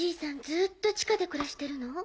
ずっと地下で暮らしてるの？